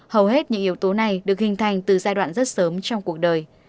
hầu hết những yếu tố này được hình thành từ giai đoạn rất sớm trong cuộc đời